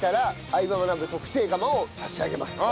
相葉マナブ』特製釜を差し上げます。